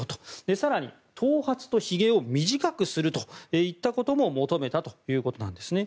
更に、頭髪とひげを短くするといったことも求めたということなんです。